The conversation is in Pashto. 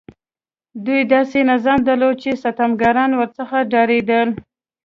دوی داسې نظام درلود چې ستمګران ورڅخه ډارېدل.